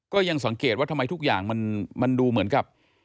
ก็ยังสังเกตว่าทำไมทุกอย่างมันดูเหมือนกับ